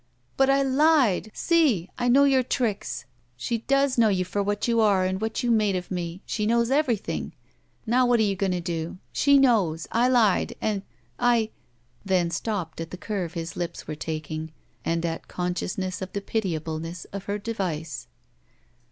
"But I lied! See! I know your tricks. She does know you for what you are and what you made of me. She knows everything. Now what are you going to do? She knows! I lied! I —" then stopped, at the curve his lips were taking and at conscious ness of the pitiableness of her device.